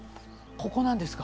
ここなんですが。